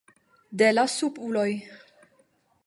De la subuloj.